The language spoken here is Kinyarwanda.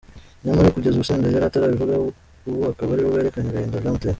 Nyamara kugeza ubu Senderi yari atarabivugaho ubu akaba aribwo yerekanye agahinda byamuteye.